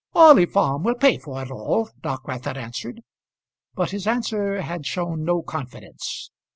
"Orley Farm will pay for it all," Dockwrath had answered; but his answer had shown no confidence.